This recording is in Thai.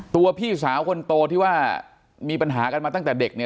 พี่สาวคนโตที่ว่ามีปัญหากันมาตั้งแต่เด็กเนี่ย